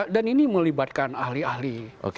ini melibatkan ahli ahli